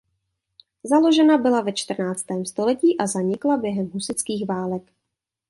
Založena byla ve čtrnáctém století a zanikla během husitských válek.